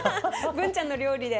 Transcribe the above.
ブンちゃんの料理で。